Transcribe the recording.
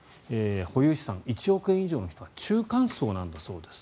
保有資産１億円以上の人は中間層なんだそうです。